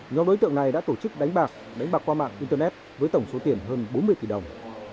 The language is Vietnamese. nhóm đối tượng này đã tổ chức đánh bạc đánh bạc qua mạng internet với tổng số tiền hơn bốn mươi tỷ đồng